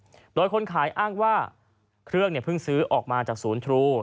ด้วยคนขายอ้างว่าเครื่องเนี่ยเพิ่งซื้อออกมาจากศูนย์ทรู